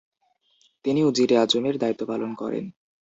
তিনি উজিরে আজমের দায়িত্ব পালন করেন।